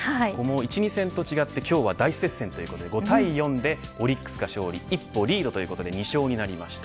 １、２戦と違って今日は大接戦の５対４でオリックスが勝利一歩リードということで２勝になりました。